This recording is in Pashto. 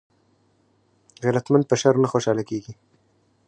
غیرتمند په شر نه خوشحاله کېږي